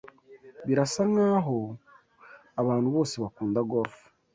Birasa nkaho abantu bose bakunda golf.